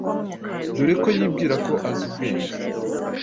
dore ko yibwira ko azi ubwenge